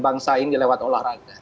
bangsa ini lewat olahraga